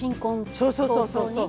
そうそうそうそう。